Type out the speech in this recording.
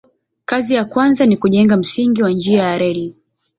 Kazi ya kwanza ni kujenga msingi wa njia ya reli.